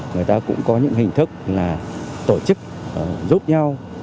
người ta cũng có những hình thức là tổ chức giúp nhau